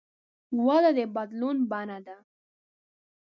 وده د بدلون بڼه ده.